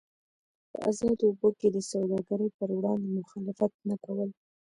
په ازادو اوبو کې د سوداګرۍ پر وړاندې مخالفت نه کول.